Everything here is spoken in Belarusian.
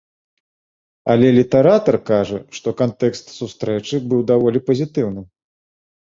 Але літаратар кажа, што кантэкст сустрэчы быў даволі пазітыўны.